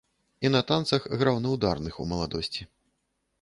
І на танцах граў на ўдарных у маладосці.